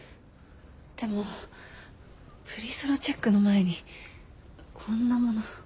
でもプリソロチェックの前にこんなもの。